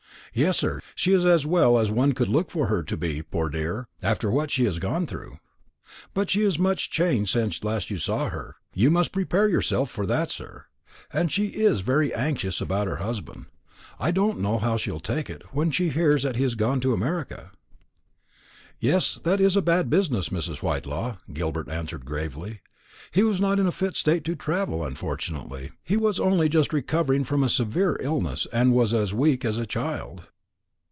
"Yes, sir, she is as well as one could look for her to be, poor dear, after what she has gone through. But she is much changed since last you saw her. You must prepare yourself for that, sir. And she is very anxious about her husband. I don't know how she'll take it, when she hears that he has gone to America." "Yes, that is a bad business, Mrs. Whitelaw," Gilbert answered gravely. "He was not in a fit state to travel, unfortunately. He was only just recovering from a severe illness, and was as weak as a child."